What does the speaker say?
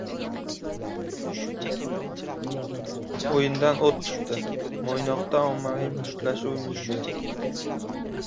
O‘yindan o‘t chiqdi: Mo‘ynoqda ommaviy mushtlashuv yuz berdi